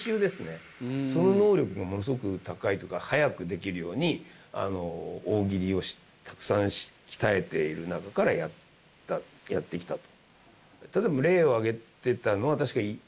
その能力がものすごく高いというか早くできるように大喜利をたくさん鍛えている中からやってきたと。